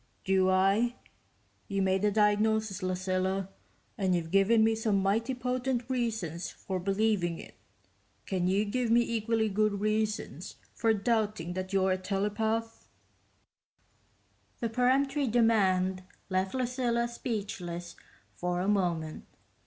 "Do I? You made the diagnosis, Lucilla, and you've given me some mighty potent reasons for believing it ... can you give me equally good reasons for doubting that you're a telepath?" The peremptory demand left Lucilla speechless for a moment.